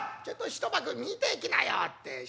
ちょいと一幕見ていきなよ』って。